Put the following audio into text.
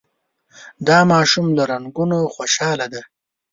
دا ماشوم له رنګونو خوشحاله دی.